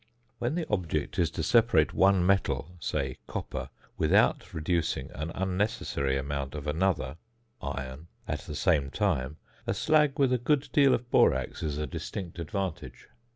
When the object is to separate one metal, say copper, without reducing an unnecessary amount of another (iron) at the same time, a slag with a good deal of borax is a distinct advantage.